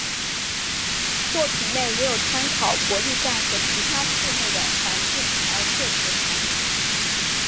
作品内也有参考国立站和其他市内的环境而设计的场景。